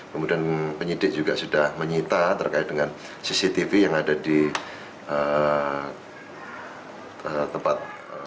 kemudian penyidik juga sudah menyita terkait dengan cctv yang ada di tempat